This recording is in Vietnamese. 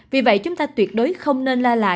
vì vậy chúng ta tuyệt đối không nên la lại